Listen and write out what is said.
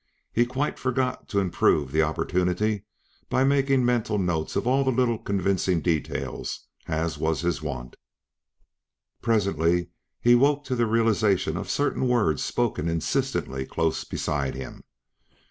He quite forgot to improve the opportunity by making mental note of all the little, convincing details, as was his wont. Presently he awoke to the realization of certain words spoken insistently close beside him.